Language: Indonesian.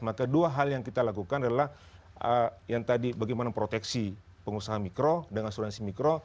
maka dua hal yang kita lakukan adalah yang tadi bagaimana proteksi pengusaha mikro dengan asuransi mikro